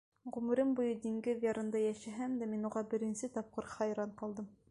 Ғүмерем буйы диңгеҙ ярында йәшәһәм дә, мин уға беренсе тапҡыр хайран ҡалдым.